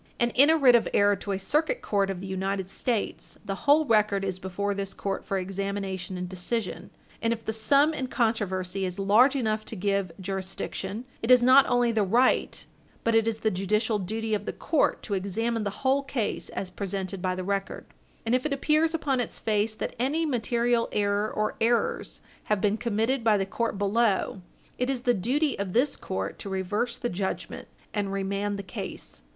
And in a writ of error to a Circuit Court of the United States, the whole record is before this court for examination and decision, and if the sum in controversy is large enough to give jurisdiction, it is not only the right, but it is the judicial duty of the court to examine the whole case as presented by the record; and if it appears upon its face that any material error or errors have been committed by the court below, it is the duty of this court to reverse the judgment and remand the case.